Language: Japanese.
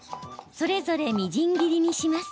それぞれ、みじん切りにします。